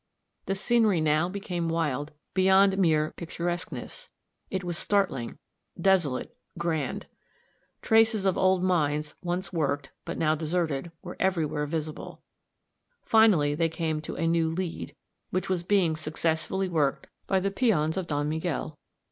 The scenery now became wild beyond mere picturesqueness it was startling, desolate, grand. Traces of old mines, once worked, but now deserted, were everywhere visible. Finally they came to a new "lead," which was being successfully worked by the peons of Don Miguel.